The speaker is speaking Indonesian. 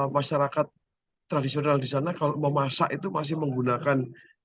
masyarakat tradisional di sana kalau memasak itu masih menggunakan